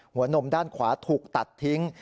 นมด้านขวาถูกตัดทิ้ง